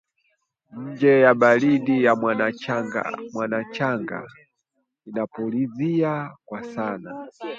Nje, baridi ya mwanashanga inapulizia kwa sana